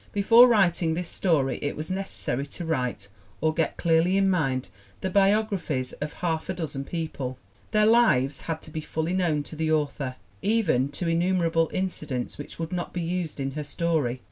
Before writing this story it was necessary to write, or get clearly in mind, the biographies of half a dozen people. Their lives had to be fully known to the author, even to innumerable incidents which would not be used in her story.